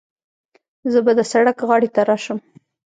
زه به د سړک غاړې ته راسم.